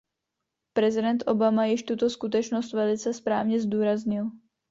Prezident Obama již tuto skutečnost velice správně zdůraznil.